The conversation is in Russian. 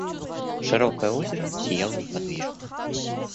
Широкое озеро сияло неподвижно.